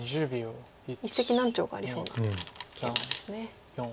一石何鳥かありそうなケイマですね。